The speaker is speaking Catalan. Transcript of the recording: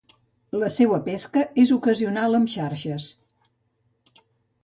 La seua pesca és ocasional amb xarxes.